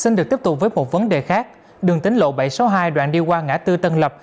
xin được tiếp tục với một vấn đề khác đường tính lộ bảy trăm sáu mươi hai đoạn đi qua ngã tư tân lập